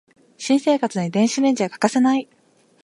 新生活に電子レンジは欠かせない